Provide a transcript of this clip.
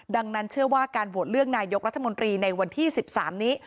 ดังนั้นเชื่อว่าการโหวตเลือกนายกรัฐมนตรีในวันที่๑๓นี้